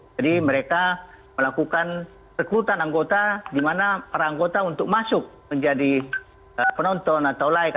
jadi mereka melakukan rekrutan anggota di mana para anggota untuk masuk menjadi penonton atau like